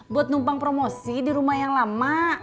buat numpang promosi di rumah yang lama